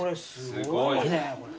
すごい。